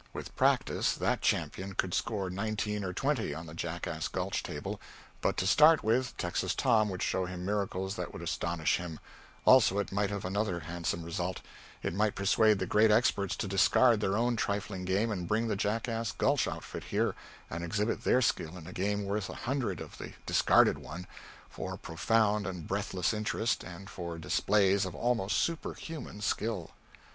With practice, that champion could score nineteen or twenty on the Jackass Gulch table; but to start with, Texas Tom would show him miracles that would astonish him; also it might have another handsome result: it might persuade the great experts to discard their own trifling game and bring the Jackass Gulch outfit here and exhibit their skill in a game worth a hundred of the discarded one, for profound and breathless interest, and for displays of almost superhuman skill.